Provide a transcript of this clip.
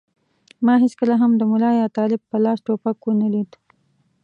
ما هېڅکله هم د ملا یا طالب په لاس ټوپک و نه لید.